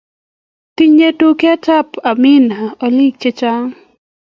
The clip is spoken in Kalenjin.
tinyei duketab Amani oliik chechang